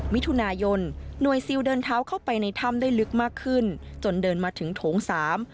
มิถุนายนหน่วยซิลเดินเท้าเข้าไปในถ้ำได้ลึกมากขึ้นจนเดินมาถึงโถงสาม